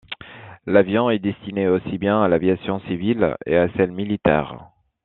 L'avion est destiné aussi bien à l'aviation civile et à celle militaire.